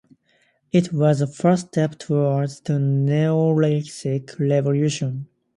It was the first step towards the Neolithic Revolution.